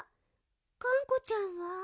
がんこちゃんは？